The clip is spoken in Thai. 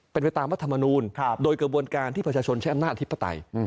เป็นไปตามรัฐมนูลโดยกระบวนการที่ประชาชนใช้อำนาจอธิปไตย